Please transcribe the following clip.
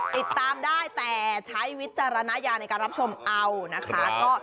ติดตามได้แต่ใช้วิจารณญาในการรับชมเอานะคะ